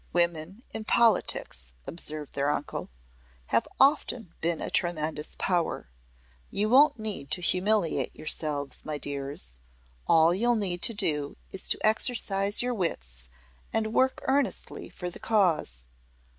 "Women in politics," observed their uncle, "have often been a tremendous power. You won't need to humiliate yourselves, my dears. All you'll need to do is to exercise your wits and work earnestly for the cause.